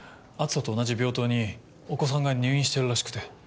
篤斗と同じ病棟にお子さんが入院してるらしくて。